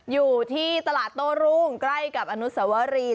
อยู่ที่ตลาดโต้รุ่งใกล้กับอนุสวรี